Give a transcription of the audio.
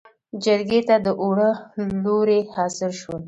جرګې ته داوړه لورې حاضر شول.